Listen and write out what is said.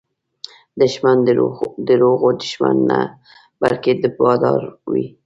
دښمن د دروغو دښمن نه، بلکې بادار وي